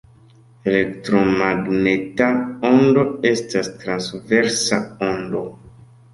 Elektromagneta ondo estas transversa ondo.